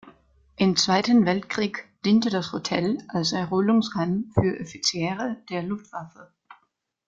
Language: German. Im Zweiten Weltkrieg diente das Hotel als Erholungsheim für Offiziere der Luftwaffe.